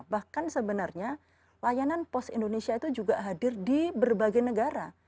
bahkan sebenarnya layanan pos indonesia itu juga hadir di berbagai negara